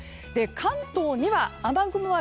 関東には雨雲は